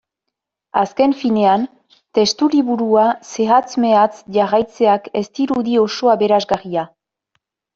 Azken finean, testuliburua zehatz-mehatz jarraitzeak ez dirudi oso aberasgarria.